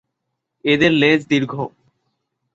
এদের লেজ দীর্ঘ।